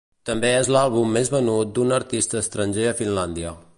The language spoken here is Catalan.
També és l'àlbum més venut d'un artista estranger a Finlàndia.